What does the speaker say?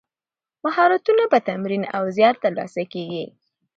مهارتونه په تمرین او زیار ترلاسه کیږي.